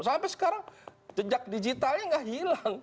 sampai sekarang jejak digitalnya nggak hilang